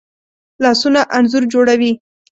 لاسونه انځور جوړوي